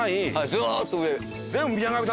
ずっと奥。